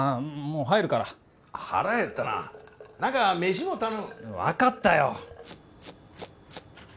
もうはいるから腹減ったな何か飯も頼む分かったよ